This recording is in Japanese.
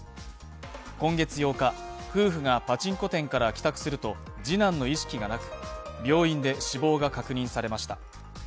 今月８日、夫婦がパチンコ店から帰宅すると、次男の意識がなく、病院で死亡が確認されました。